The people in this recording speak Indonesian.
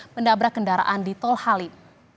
mendabrak kendaraan di tol halim